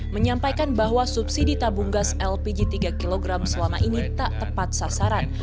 menyampaikan bahwa subsidi tabung gas lpg tiga kg selama ini tak tepat sasaran